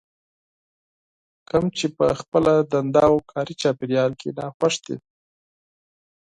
کوم چې په خپله دنده او کاري چاپېريال کې ناخوښ دي.